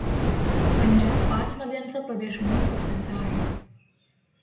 पंजाब पाच नद्यांचा प्रदेश म्हणून प्रसिद्ध आहे.